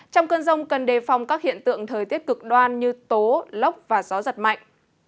trong cơn rông cần đề phòng các hiện tượng thời tiết cực đoan như tố lốc và gió giật mạnh